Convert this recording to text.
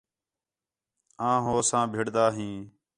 آں ہو ساں بِھڑدا ہیں